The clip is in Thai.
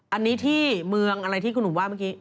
อันนี้ที่เมืองอะไรที่คุณหนุ่มว่าเมื่อกี้